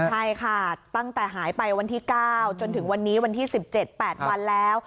ใช่ค่ะตั้งแต่หายไปวันที่๙จนถึงวันนี้วันที่๑๗๘วันแล้ว